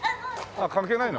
あっ関係ないの？